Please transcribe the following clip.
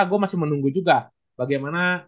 gue masih menunggu juga bagaimana